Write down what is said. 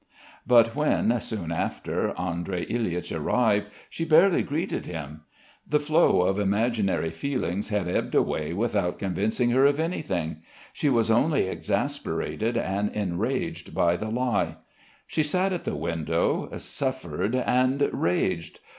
But when, soon after, Andrey. Ilyitch arrived, she barely greeted him. The flow of imaginary feelings had ebbed away without convincing her of anything; she was only exasperated and enraged by the lie. She sat at the window, suffered, and raged.